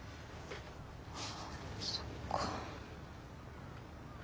そっか。